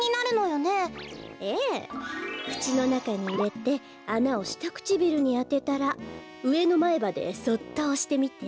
くちのなかにいれてあなをしたくちびるにあてたらうえのまえばでそっとおしてみて。